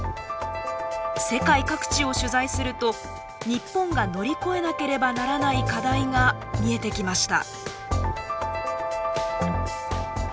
世界各地を取材すると日本が乗り越えなければならない課題が見えてきました。